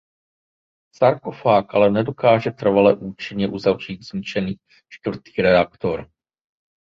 Sarkofág ale nedokáže trvale účinně uzavřít zničený čtvrtý reaktor.